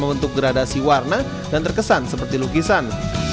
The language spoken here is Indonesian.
untuk gradasi warna dan terkesan seperti lukisan